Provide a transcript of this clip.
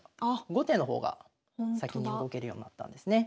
後手の方が先に動けるようになったんですね。